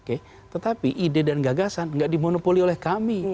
ini ide dan gagasan nggak dimonopoli oleh kami